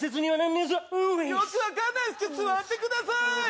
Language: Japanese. よく分かんないですけど座ってください。